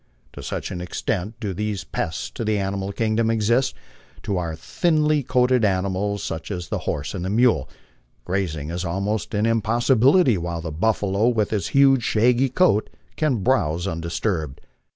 To such an extent do these pests to the animal kingdom exist, that to our thinly coated animals, such as the horse and mule, grazing is almost an impossibility, while the buffalo with his huge shaggy coat can browse undisturbed.